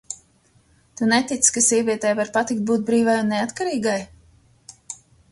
Tu netici, ka sievietei var patikt būt brīvai un neatkarīgai?